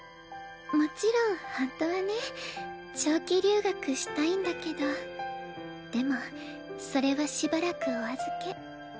もちろんほんとはね長期留学したいんだけどでもそれはしばらくお預け。